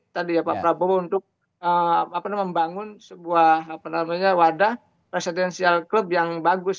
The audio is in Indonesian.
tadi ya pak prabowo untuk membangun sebuah wadah presidential club yang bagus